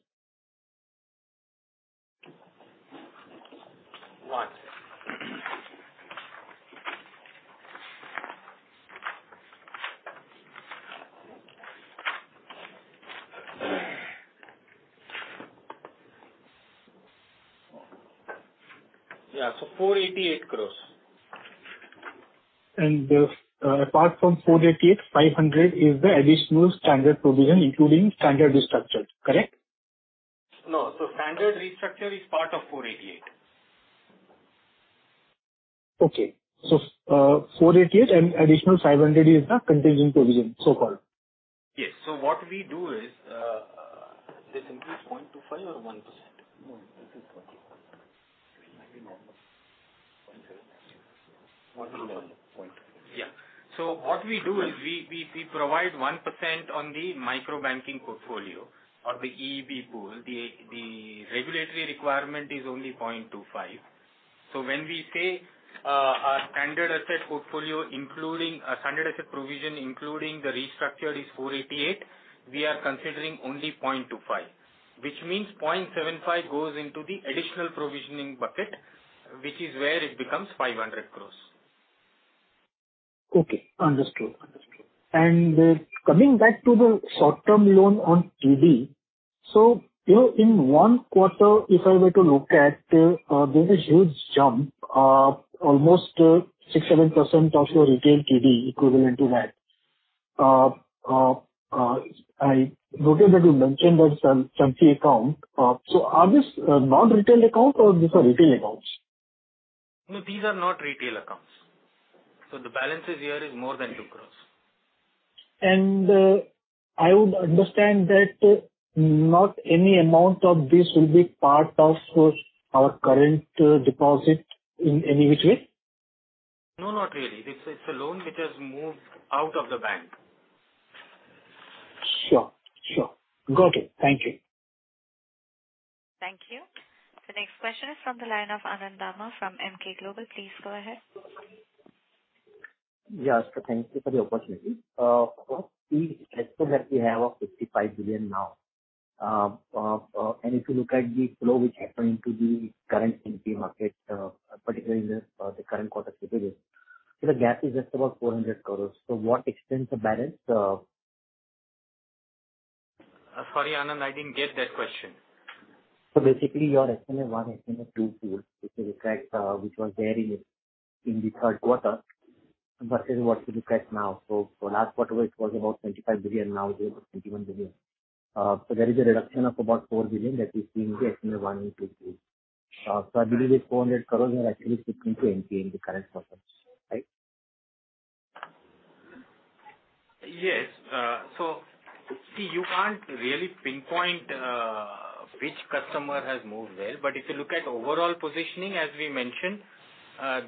Yeah. 488 crores. Apart from 488, 500 is the additional standard provision, including standard restructure, correct? No. Standard restructure is part of 488. 488 and additional 500 is the contingent provision so-called. Yes. What we do is. Is it increased 0.25% or 1%? This is 0.25%. It might be normal. 0.75%. What we do is we provide 1% on the micro-banking portfolio or the EEB pool. The regulatory requirement is only 0.25%. When we say our standard asset portfolio, including a standard asset provision, including the restructure is 488 crore, we are considering only 0.25%, which means 0.75% goes into the additional provisioning bucket, which is where it becomes 500 crore. Okay, understood. Understood. Coming back to the short-term loan on TD. You know, in one quarter, if I were to look at, there's a huge jump of almost 6-7% of your retail TD equivalent to that. I noted that you mentioned that some key account. Are these non-retail account or these are retail accounts? No, these are not retail accounts. The balances here is more than 2 crores. I would understand that not any amount of this will be part of our current deposit in any which way. No, not really. It's a loan which has moved out of the bank. Sure. Sure. Got it. Thank you. Thank you. The next question is from the line of Anand Dama from Emkay Global. Please go ahead. Yes. Thank you for the opportunity. For the exposure that we have of 55 billion now, if you look at the flow which happened to the current NPA market, particularly in the current quarter, the gap is just about 400 crores. What explains the balance? Sorry, Anand, I didn't get that question. Basically your SMA 1, SMA 2 pool, if you reflect, which was there in the third quarter versus what you reflect now. For last quarter it was about 25 billion, now it is 21 billion. There is a reduction of about 4 billion that we see in the SMA 1 and 2 pool. I believe this 400 crores are actually shifting to NPA in the current quarter. Right? Yes. See, you can't really pinpoint, which customer has moved where. If you look at overall positioning, as we mentioned,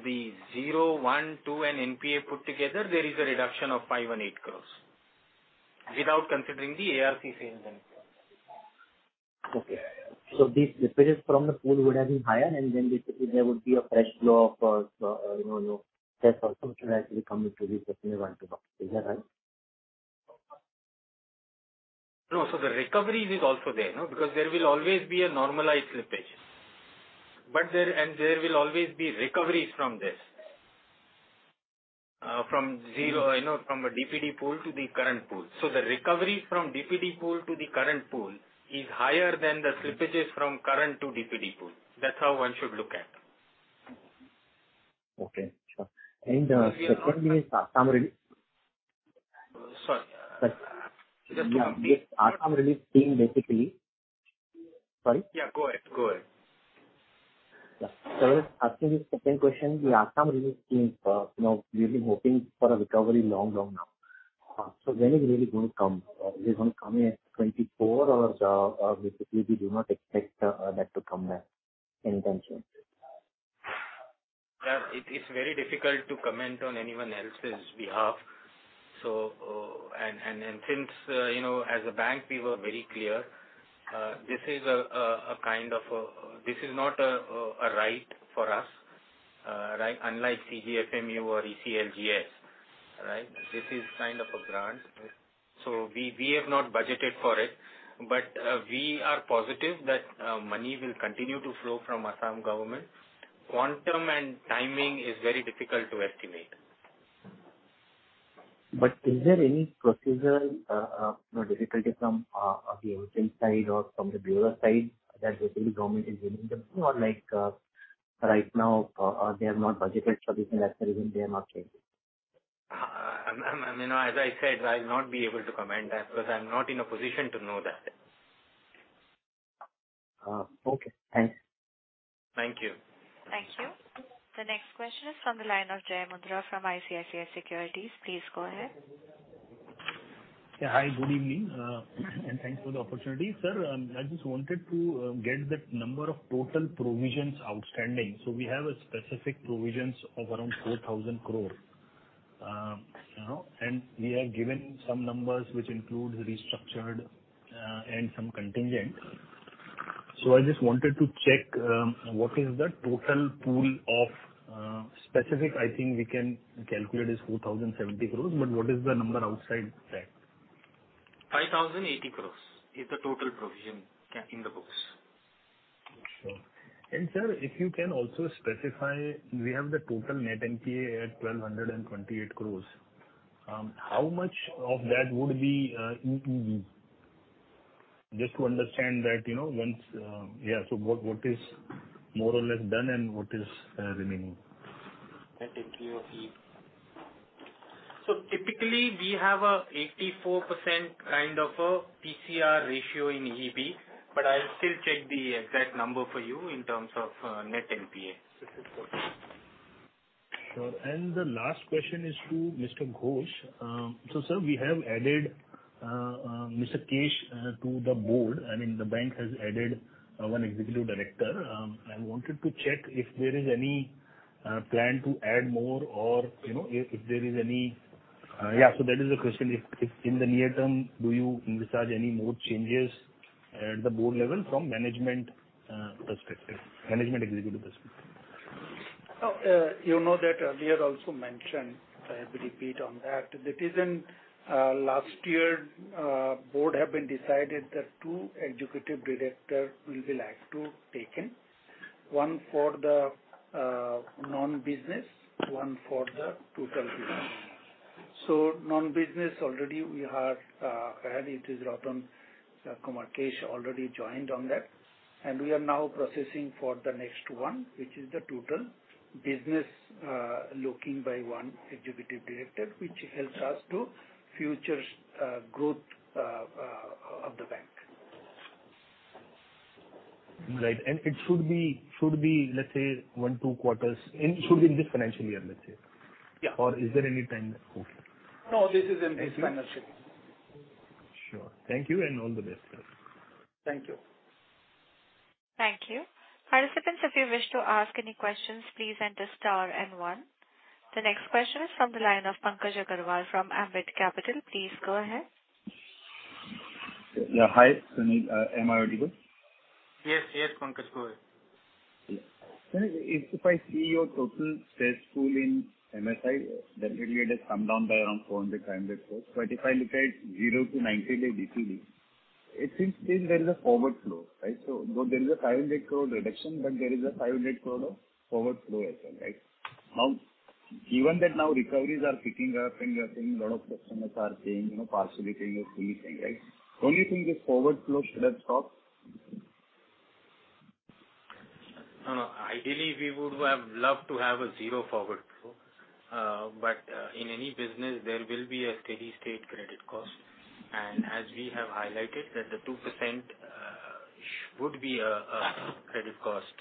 the zero, one, two and NPA put together, there is a reduction of 5 and 8 crores without considering the ARC sales and NPA. Okay. these slippages from the pool would have been higher, and then there would be a fresh flow of, you know, test consumption as we come into the SMA one to box. Is that right? No. The recovery is also there, no, because there will always be a normalized slippage. There will always be recoveries from this. From zero, you know, from a DPD pool to the current pool. The recovery from DPD pool to the current pool is higher than the slippages from current to DPD pool. That's how one should look at. Okay, sure. Secondly, Assam Relief. Sorry. Yeah. The Assam Relief Scheme basically... Sorry. Yeah, go ahead. Go ahead. Yeah. I was asking this second question. The Assam Relief Scheme, you know, we've been hoping for a recovery long, long now. When is it really going to come? Is it gonna come in 2024 or basically we do not expect that to come now in terms of it? Yeah. It is very difficult to comment on anyone else's behalf. Since, you know, as a bank, we were very clear, this is not a right for us, right? Unlike CGFMU or ECLGS, right? This is kind of a grant. Yes. We have not budgeted for it, but we are positive that money will continue to flow from Assam government. Quantum and timing is very difficult to estimate. Is there any procedure, you know, difficulty from the entrance side or from the bureau side that basically government is willing to pay or like, right now, they have not budgeted for this and that's the reason they are not paying? You know, as I said, I'll not be able to comment that because I'm not in a position to know that. Okay. Thanks. Thank you. Thank you. The next question is from the line of Jai Mundhra from ICICI Securities. Please go ahead. Yeah. Hi, good evening. Thanks for the opportunity. Sir, I just wanted to get the number of total provisions outstanding. We have a specific provisions of around 4,000 crore, you know, and we are given some numbers which include restructured and some contingent. I just wanted to check, what is the total pool of specific I think we can calculate is 4,070 crore, but what is the number outside that? 5,080 crore is the total provision in the books. Sure. sir, if you can also specify, we have the total net NPA at 1,228 crore. How much of that would be in EEB? Just to understand that, you know, once. Yeah. what is more or less done and what is remaining? That NPA of EB. Typically we have a 84% kind of a PCR ratio in EB, but I'll still check the exact number for you in terms of net NPA. This is important. Sure. The last question is to Mr. Ghosh. Sir, we have added Mr. Kesh to the board. I mean, the bank has added one Executive Director. I wanted to check if there is any plan to add more or, you know, if there is any. Yeah, that is the question. If in the near term, do you envisage any more changes at the board level from management perspective, management executive perspective? I earlier also mentioned, I have to repeat on that. That is in last year, board had been decided that two executive directors will be like to be taken. One for the non-business, one for the total business. Non-business already we have hired. It is Ratan Kumar Kesh already joined on that and we are now processing for the next one, which is the total business, looking by one executive director, which helps us to future growth of the bank Right. It should be, let's say 1, 2 quarters. It should be in this financial year, let's say. Yeah. Is there any time hope here? No, this is in this financial year. Sure. Thank you and all the best. Thank you. Thank you. Participants, if you wish to ask any questions, please enter star and one. The next question is from the line of Pankaj Agarwal from Ambit Capital. Please go ahead. Yeah. Hi, Sunil. Am I audible? Yes, yes, Pankaj, go ahead. Sir, if I see your total stress pool in SMA, that really it has come down by around 400, INR 500 crores. If I look at 0-day-90-day DPD, it seems still there is a forward flow, right? Though there is a 500 crore reduction, but there is a 500 crore of forward flow as well, right? Given that now recoveries are picking up and we are seeing a lot of customers are paying, you know, partially paying or fully paying, right? Don't you think this forward flow should have stopped? No, no. Ideally, we would have loved to have a zero forward flow. In any business there will be a steady state credit cost. As we have highlighted that the 2% would be a credit cost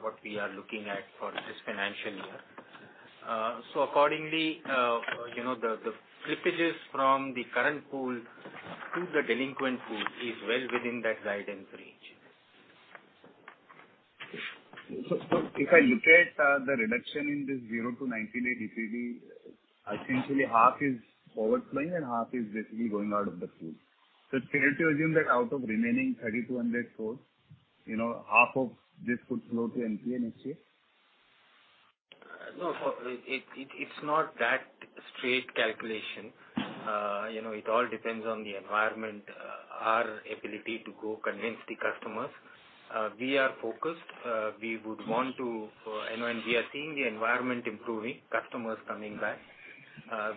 what we are looking at for this financial year. Accordingly, you know, the slippages from the current pool to the delinquent pool is well within that guidance range. If I look at the reduction in this 0-day-90-day DPD, essentially half is forward flowing and half is basically going out of the pool. Is it fair to assume that out of remaining 3,200 crores, you know, half of this would flow to NPA next year? No. It's not that straight calculation. You know, it all depends on the environment, our ability to go convince the customers. We are focused. We would want to, you know, and we are seeing the environment improving, customers coming back.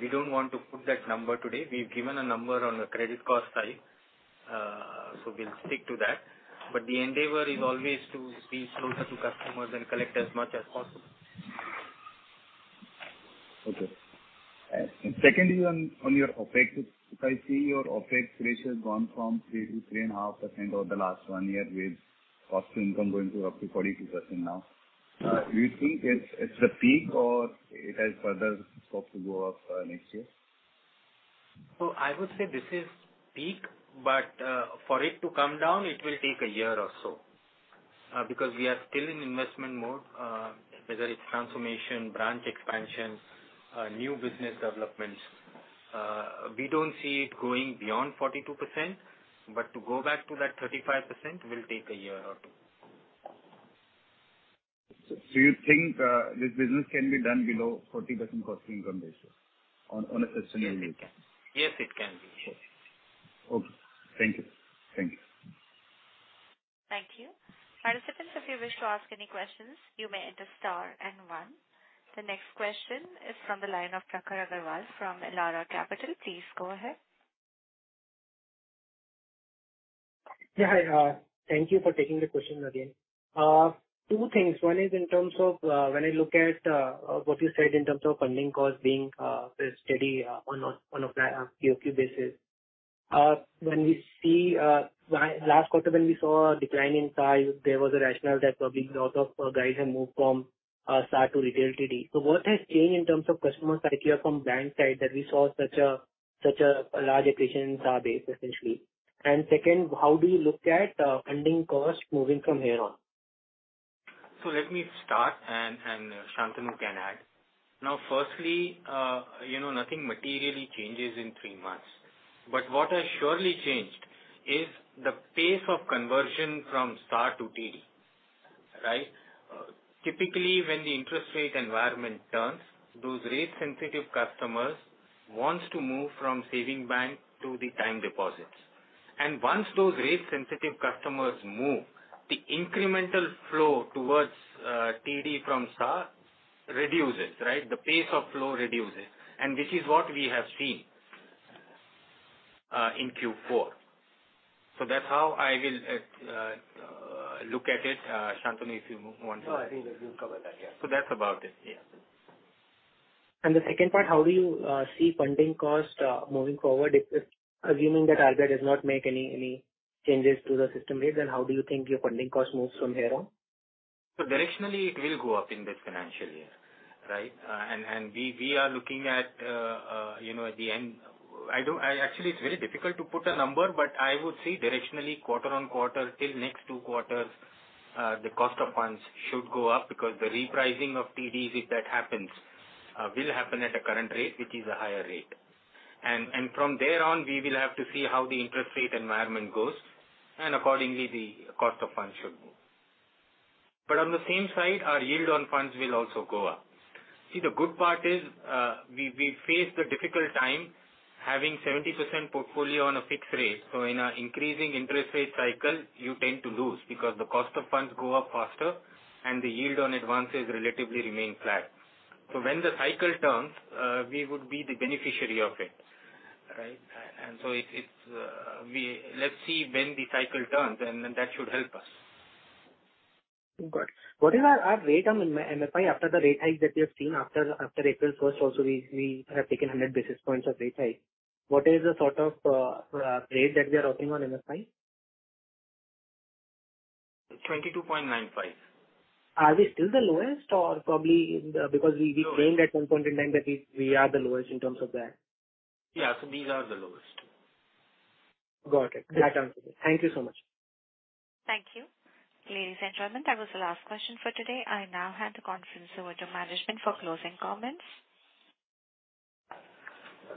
We don't want to put that number today. We've given a number on the credit cost side. We'll stick to that. The endeavor is always to be closer to customers and collect as much as possible. Okay. Secondly, on your OpEx, if I see your OpEx ratio has gone from 3%-3.5% over the last one year with cost to income going to up to 42% now. Do you think it's the peak or it has further scope to go up, next year? I would say this is peak, but for it to come down, it will take a year or so, because we are still in investment mode, whether it's transformation, branch expansion, new business development. We don't see it going beyond 42%, but to go back to that 35% will take a year or two. You think, this business can be done below 40% cost to income ratio on a sustainable way? Yes, it can. Yes, it can be. Okay. Thank you. Thank you. Thank you. Participants, if you wish to ask any questions, you may enter star and one. The next question is from the line of Prakhar Agarwal from Elara Capital. Please go ahead. Hi. Thank you for taking the question again. Two things. One is in terms of when I look at what you said in terms of funding cost being steady on a Q-O-Q basis. When we see why last quarter when we saw a decline in size, there was a rationale that probably a lot of guys have moved from star to retail TD. What has changed in terms of customer psyche or from bank side that we saw such a large attrition in star base essentially? Second, how do you look at funding cost moving from here on? Let me start and Shantanu can add. Firstly, you know, nothing materially changes in three months, but what has surely changed is the pace of conversion from SA to TD, right. Typically, when the interest rate environment turns, those rate-sensitive customers wants to move from saving bank to the time deposits. Once those rate-sensitive customers move, the incremental flow towards TD from SA reduces, right. The pace of flow reduces, and this is what we have seen in Q4. That's how I will look at it. Shantanu, if you want to No, I think that you've covered that. Yeah. That's about it. Yeah. The second part, how do you see funding cost moving forward if, assuming that RBI does not make any changes to the system rates, how do you think your funding cost moves from here on? Directionally it will go up in this financial year, right? We are looking at, you know, at the end. Actually, it's very difficult to put a number, but I would say directionally, quarter on quarter till next two quarters, the cost of funds should go up because the repricing of TDs, if that happens, will happen at a current rate, which is a higher rate. From there on, we will have to see how the interest rate environment goes, and accordingly the cost of funds should move. On the same side, our yield on funds will also go up. The good part is, we face the difficult time having 70% portfolio on a fixed rate. In an increasing interest rate cycle you tend to lose because the cost of funds go up faster and the yield on advances relatively remain flat. When the cycle turns, we would be the beneficiary of it, right? It's, Let's see when the cycle turns and that should help us. Got it. What is our rate on MFI after the rate hike that we have seen after April first? Also we have taken 100 basis points of rate hike. What is the sort of rate that we are offering on MFI? 22.95%. Are we still the lowest or probably in the Because we claimed at some point in time that we are the lowest in terms of that? Yeah. We are the lowest. Got it. That answers it. Thank you so much. Thank you. Ladies and gentlemen, that was the last question for today. I now hand the conference over to management for closing comments.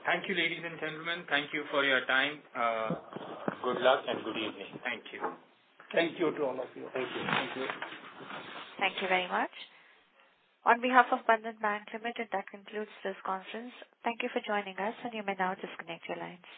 Thank you, ladies and gentlemen. Thank you for your time. Good luck and good evening. Thank you. Thank you to all of you. Thank you. Thank you. Thank you very much. On behalf of Bandhan Bank Limited, that concludes this conference. Thank you for joining us. You may now disconnect your lines.